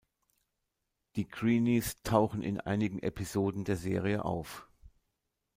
Die Greenes tauchen in einigen Episoden der Serie auf.